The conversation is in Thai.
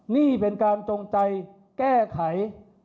นี่เป็นการจงใจแก้ไข